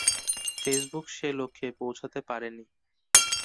Facebook সে লক্ষ্যে পৌঁছাতে পারেনি।